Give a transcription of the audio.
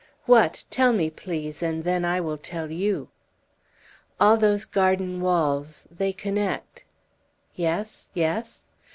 "What? Tell me, please, and then I will tell you." "All those garden walls they connect." "Yes? Yes?"